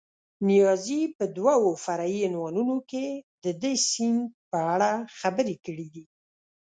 نیازي په دوو فرعي عنوانونو کې د دې سیند په اړه خبرې کړې دي.